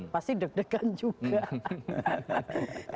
pasti deg degan juga